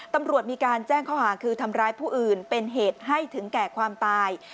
ตำรวจมีการแจ้งข้อหาคือทำร้ายผู้อื่นเป็นเหตุให้ถึงแก่ความตาย